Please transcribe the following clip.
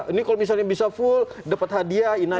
ini kalau misalnya bisa full dapat hadiah